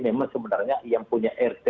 memang sebenarnya yang punya rt